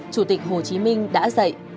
chủ tịch hồ chí minh đã dạy